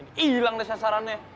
ini ilang deh sasarannya